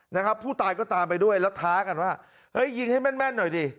นะครับผู้ตายก็ตามไปด้วยแล้วท้ากันว่าเฮ้ยยิงให้แม่นแม่นหน่อยดิ